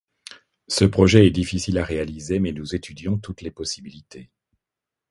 Ce projet est difficile à réaliser, mais nous étudions toutes les possibilités.